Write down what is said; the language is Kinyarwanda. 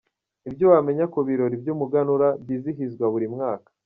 Ibyo wamenya ku birori by’Umuganura byizihizwa buri mwaka.